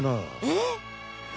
えっ？